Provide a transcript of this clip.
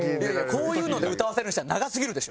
こういうので歌わせるにしては長すぎるでしょ。